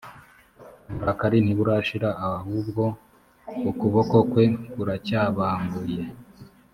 uburakari ntiburashira ahubwo ukuboko kwe kuracyabanguye